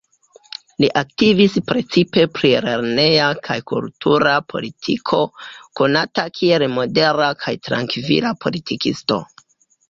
Li aktivis precipe pri lerneja kaj kultura politiko, konata kiel modera kaj trankvila politikisto.